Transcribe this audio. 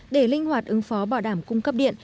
để linh hoạt ứng phó bảo đảm cung cấp điện